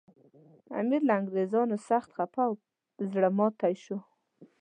امیر له انګریزانو سخت خپه او زړه ماتي شو.